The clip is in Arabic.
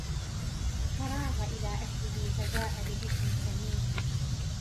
فَرَاغَ إِلَى أَهْلِهِ فَجَاءَ بِعِجْلٍ سَمِينٍ